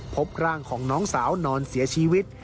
พบร่างของน้องสาวนอนเสียชีวิต